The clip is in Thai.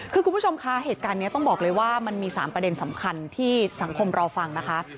คือคุณผู้ชมคะเหตุการณ์นี้ต้องบอกเลยว่ามันมี๓ประเด็นสำคัญที่สังคมรอฟังนะคะ